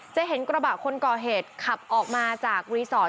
จะเห็นกระบะคนก่อเหตุขับออกมาจากรีสอร์ท